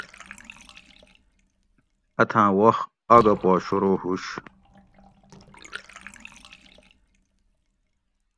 اتھاۤں وخت آگہ پا شروع ہُوش